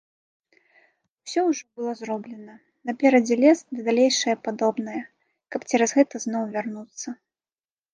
Усё ўжо было зроблена, наперадзе лес ды далейшае падобнае, каб цераз гэта зноў вярнуцца.